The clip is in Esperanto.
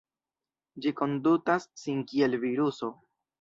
Ĝi kondutas sin kiel viruso.